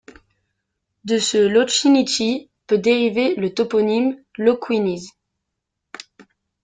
De ce Laucinici peut dériver le toponyme Lauquíniz.